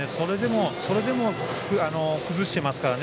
それでも、崩していますから。